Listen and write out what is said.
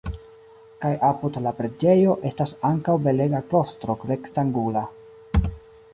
Kaj apud la preĝejo estas ankaŭ belega klostro rektangula.